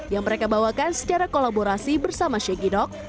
yang mereka bawakan secara kolaborasi bersama shaggy dog